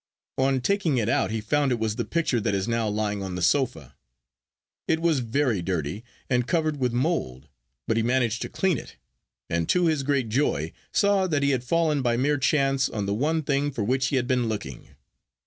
On taking it out, he found it was the picture that is now lying on the sofa. It was very dirty, and covered with mould; but he managed to clean it, and, to his great joy, saw that he had fallen by mere chance on the one thing for which he had been looking.